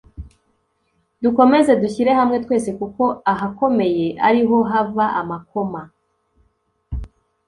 Dukomeze dushyire hamwe twese kuko ahakomeye ariho hava amakoma